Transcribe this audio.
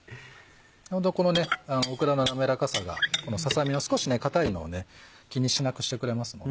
ホントこのオクラの滑らかさがこのささ身の少し硬いのを気にしなくしてくれますので。